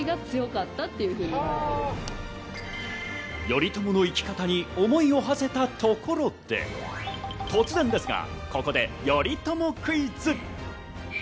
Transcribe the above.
頼朝の生き方に思いをはせたところで、突然ですが、ここで頼朝クイズ。